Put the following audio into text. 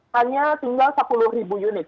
hanya tinggal sepuluh unit